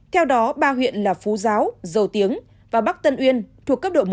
theo đó ba huyện là phú giáo dầu tiếng và bắc tân uyên thuộc cấp độ một